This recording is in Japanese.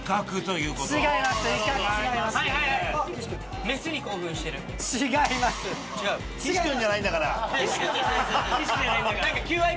いや岸君じゃないんだから。